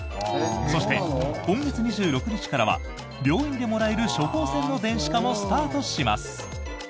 そして、今月２６日からは病院でもらえる処方せんの電子化もスタートします。